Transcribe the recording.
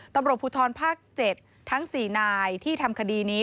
ตำรวจภูทรภาค๗ทั้ง๔นายที่ทำคดีนี้